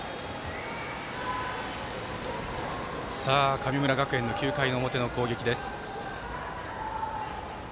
神村学園の９回の表の攻撃です。